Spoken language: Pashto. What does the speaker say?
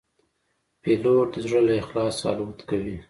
پیلوټ د زړه له اخلاصه الوت کوي.